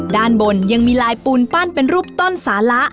ด้านบนยังมีลายปูนปั้นเป็นรูปต้นสาระ